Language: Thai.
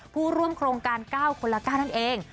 ผู้ร่วมโครงการ๙คนละ๙นั่นเอง